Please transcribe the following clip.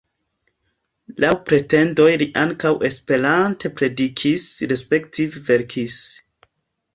Laŭ pretendoj li ankaŭ Esperante predikis, respektive verkis.